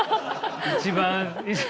一番。